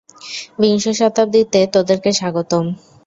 বিংশ শতাব্দীতে তোদেরকে স্বাগতম!